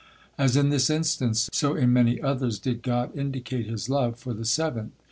As in this instance, so in many others did God indicate His love for the seventh.